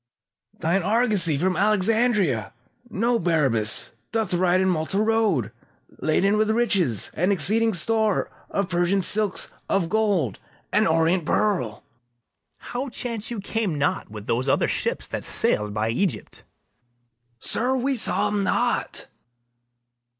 Thine argosy from Alexandria, Know, Barabas, doth ride in Malta road, Laden with riches, and exceeding store Of Persian silks, of gold, and orient pearl. BARABAS. How chance you came not with those other ships That sail'd by Egypt? SECOND MERCHANT. Sir, we saw 'em not.